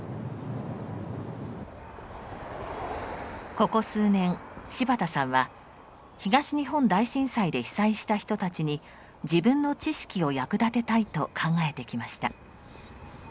ここ数年柴田さんは東日本大震災で被災した人たちに自分の知識を役立てたいと考えてきました。